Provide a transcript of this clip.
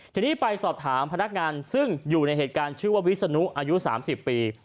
ทีนี้ไปสอบถามพนักงานซึ่งอยู่ในเหตุการณ์ชื่อว่าวิศนุอายุ๓๐ปี